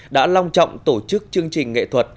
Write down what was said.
đã long trọng tổ chức chương trình nghệ thuật